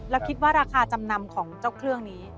แล้วคิดว่าราคาจำนำของเจ้าเครื่องนี้